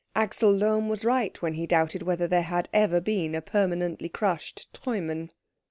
Axel Lohm was right when he doubted whether there had ever been a permanently crushed Treumann.